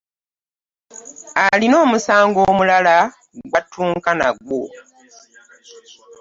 Alina omusango omulala gw'attunka nagwo.